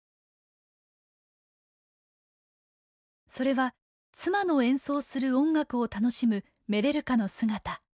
それは妻の演奏する音楽を楽しむメレルカの姿。